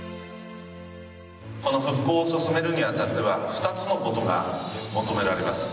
この復興を進めるに当たっては２つのことが求められます。